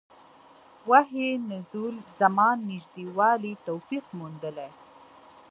وحي نزول زمان نژدې والی توفیق موندلي.